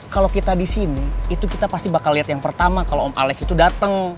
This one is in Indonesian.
kalau kita di sini itu kita pasti bakal lihat yang pertama kalau om alex itu datang